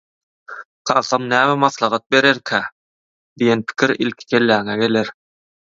«Kakam näme maslahat bererkä?» diýen pikir ilki kelläňe geler.